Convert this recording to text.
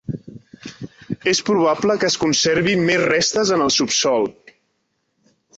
És probable que es conservin més restes en el subsòl.